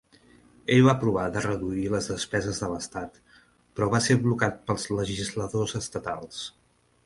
Ell va provar de reduir les despeses de l'estat, però va ser blocat pels legisladors estatals.